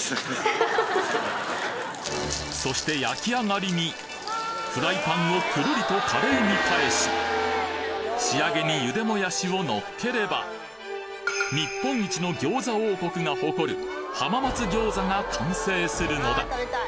そして焼き上がりにフライパンをくるりと華麗に返し仕上げに茹でもやしをのっければ日本一の餃子王国が誇る浜松餃子が完成するのだ！